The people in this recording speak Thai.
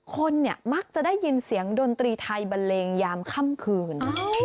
คนเนี่ยมักจะได้ยินเสียงดนตรีไทยบันเลงยามค่ำคืน